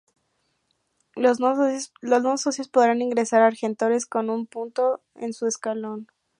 Los no socios podrán ingresar a Argentores con un punto en su escalafón.